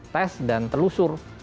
tes dan telusur